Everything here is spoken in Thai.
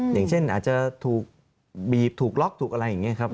อย่างเช่นอาจจะถูกบีบถูกล็อกถูกอะไรอย่างนี้ครับ